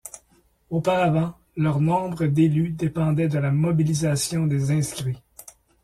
Auparavant, leur nombre d'élus dépendait de la mobilisation des inscrits.